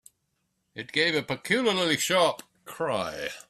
It gave a peculiarly sharp cry.